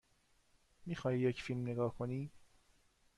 می خواهی یک فیلم نگاه کنی؟